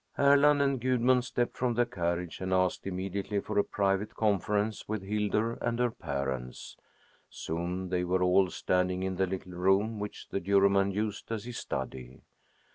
Erland and Gudmund stepped from the carriage and asked immediately for a private conference with Hildur and her parents. Soon they were all standing in the little room which the Juryman used as his study.